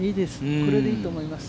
これでいいと思います。